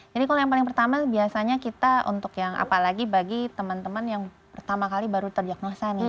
jadi yang paling pertama biasanya kita untuk yang apalagi bagi teman teman yang pertama kali baru terdiagnosa nih